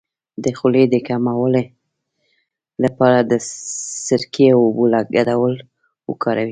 د خولې د کمولو لپاره د سرکې او اوبو ګډول وکاروئ